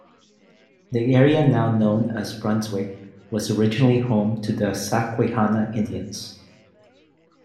The area now known as Brunswick was originally home to the Susquehanna Indians.